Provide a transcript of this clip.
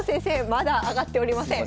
まだ上がっておりません。